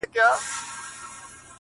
o ستا شاعرۍ ته سلامي كومه،